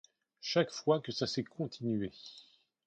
chaque fois que ça s'est continué.